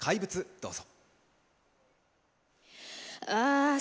どうぞ。